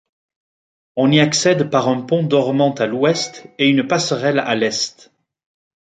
On y accède par un pont dormant à l'ouest et une passerelle à l'est.